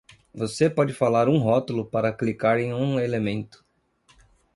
Você pode falar um rótulo para clicar em um elemento.